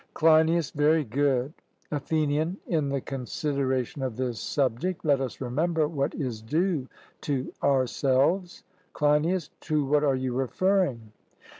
CLEINIAS: Very good. ATHENIAN: In the consideration of this subject, let us remember what is due to ourselves. CLEINIAS: To what are you referring?